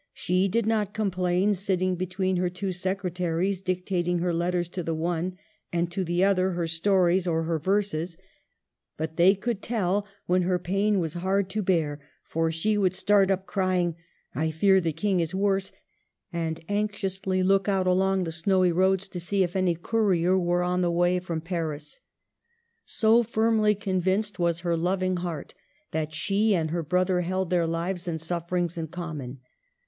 She did not complain, sitting between her two secretaries, dictating her letters to the one, and to the other her stories or her verses ; but they 286 MARGARET OF ANGOUL^ME. ^ could tell when her pain was hard to bear, for she would start up crying, " I fear the King is worse," and anxiously look out along the snowy roads to see if any courier were on the way from Paris ; so firmly convinced was her loving heart that she and her brother held their lives and suf ferings in common.